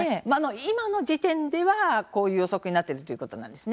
今の時点ではこういう予測になっているということです。